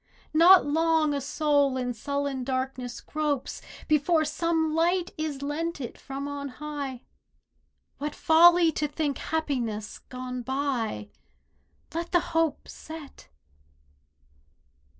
Not long a soul in sullen darkness gropes Before some light is lent it from on high; What folly to think happiness gone by! Let the hope set!